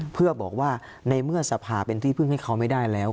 เพื่อบอกว่าในเมื่อสภาเป็นที่พึ่งให้เขาไม่ได้แล้ว